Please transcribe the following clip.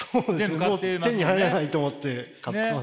もう手に入らないと思って買ってますね。